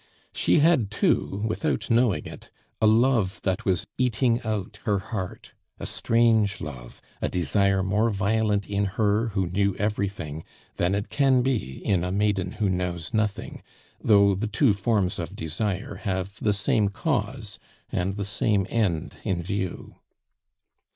She had too, without knowing it, a love that was eating out her heart a strange love, a desire more violent in her who knew everything than it can be in a maiden who knows nothing, though the two forms of desire have the same cause, and the same end in view.